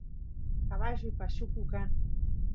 caballuy pashuku kan